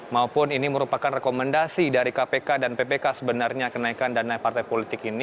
maupun ini merupakan rekomendasi dari kpk dan ppk sebenarnya kenaikan dana partai politik ini